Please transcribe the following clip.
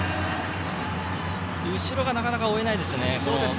後ろがなかなか追えないですね